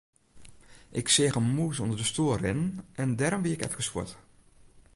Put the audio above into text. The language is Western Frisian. Ik seach in mûs ûnder de stoel rinnen en dêrom wie ik efkes fuort.